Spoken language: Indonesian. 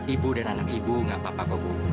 ibu dan anak ibu enggak apa apa ibu